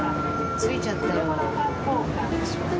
着いちゃったよ。